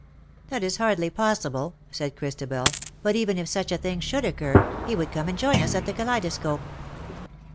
^'" That is hardly possible,^'' said Christabel. '^ But even if such a happy thing should occur, he would come and join us at the Kaleidoscope."'